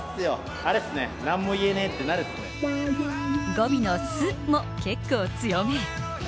語尾の「ス」も結構強め。